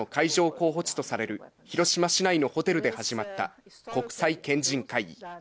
候補地とされる広島市内のホテルで始まった国際賢人会議。